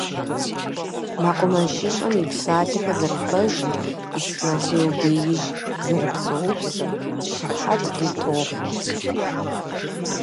- МэкъумэшыщӀэм и псалъэхэр зэрыпэжым, Исмэхьил беижь зэрыпцӀыупсым щыхьэт дытохъуэ.